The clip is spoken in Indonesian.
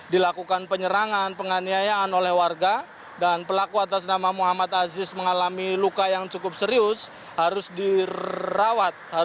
dilakukan penyerangan penganiayaan oleh warga dan pelaku atas nama muhammad aziz mengalami luka yang cukup serius harus dirawat